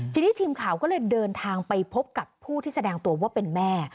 ทีนี้ทีมข่าวก็เลยเดินทางไปพบกับผู้ที่แสดงตัวว่าเป็นแม่